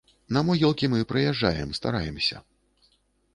На могілкі мы прыязджаем, стараемся.